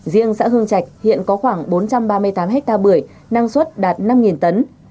riêng xã hương chạch hiện có khoảng bốn trăm ba mươi tám ha bưởi năng suất đạt năm tấn